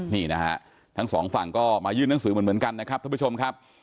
นี่นะฮะทั้งสองฝั่งก็มายื่นหนังสือเหมือนกันนะครับท่านผู้ชมครับ